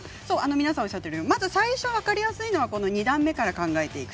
皆さんおっしゃっているように最初分かりやすいのが２段目から考えていく。